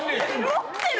持ってる！？